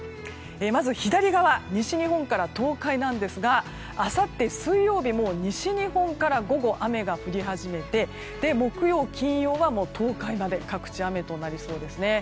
まず左側西日本から東海なんですがあさって水曜日はもう西日本から午後、雨が降り始めて木曜、金曜は東海まで各地、雨となりそうですね。